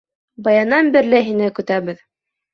Баянан бирле һине көтәбеҙ.